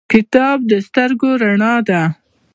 کتاب د سترګو رڼا ده